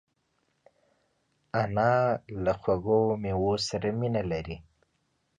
انا له خوږو مېوو سره مینه لري